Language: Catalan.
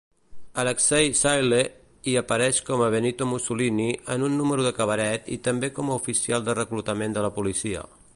Alexei Sayle hi apareix com a Benito Mussolini en un número de cabaret i també com a oficial de reclutament de la policia.